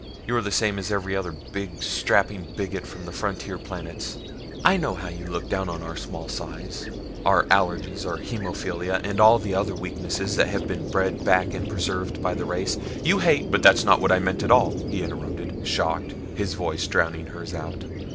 You're the same as every other big, strapping bigot from the frontier planets. I know how you look down on our small size, our allergies and haemophilia and all the other weaknesses that have been bred back and preserved by the race. You hate " "But that's not what I meant at all," he interrupted, shocked, his voice drowning hers out.